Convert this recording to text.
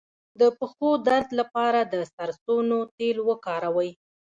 د پښو درد لپاره د سرسونو تېل وکاروئ